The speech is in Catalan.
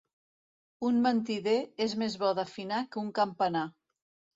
Un mentider és més bo d'afinar que un campanar.